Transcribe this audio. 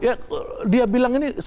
ya dia bilang ini